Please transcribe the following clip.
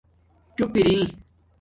چُپ اری